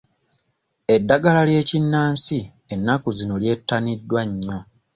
Eddagala ly'ekinnansi ennaku zino lyettaniddwa nnyo.